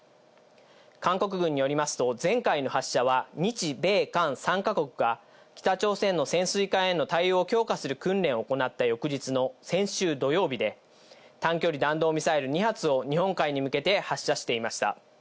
韓国軍によりますと、前回の発射は日米韓３か国が北朝鮮の潜水艦への対応を強化する訓練を行った翌日の先週土曜日で、短距離弾道ミサイル２発を日本海に向けて発射していました。